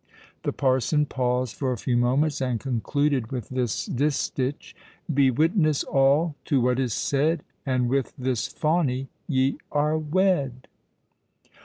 The parson paused for few moments, and concluded with this distich:— "Be witness, all, to what is said:— And with this fawney ye are wed!"